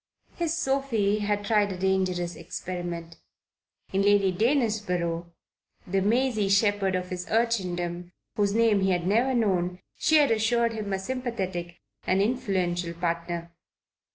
His Sophie had tried a dangerous experiment. In Lady Danesborough, the Maisie Shepherd of his urchindom, whose name he had never known, she had assured him a sympathetic and influential partner.